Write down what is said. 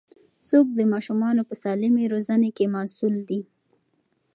څوک د ماشومانو په سالمې روزنې کې مسوول دي؟